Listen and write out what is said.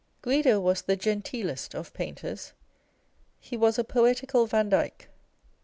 Guido was the " genteelest " of painters ; he was a poetical Vandyke.